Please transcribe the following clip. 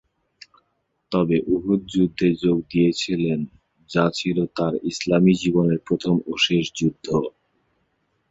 তবে উহুদ যুদ্ধে যোগ দিয়েছিলেন যা ছিল তার ইসলামী জীবনের প্রথম ও শেষ যুদ্ধ।